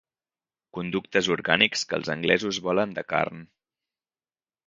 Conductes orgànics que els anglesos volen de carn.